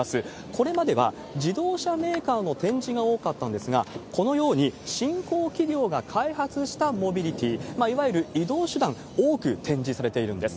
これまでは自動車メーカーの展示が多かったんですが、このように、新興企業が開発したモビリティ、いわゆる移動手段、多く展示されているんです。